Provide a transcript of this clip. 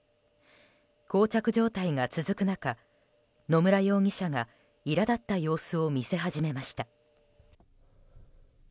膠着状態が続く中、野村容疑者がいら立った様子を見せ始めました。